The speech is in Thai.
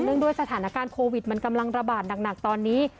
ด้วยสถานการณ์โควิดมันกำลังระบาดหนักตอนนี้